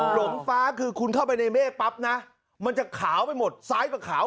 หลงฟ้าคือคุณเข้าไปในเมฆปั๊บนะมันจะขาวไปหมดซ้ายกว่าขาว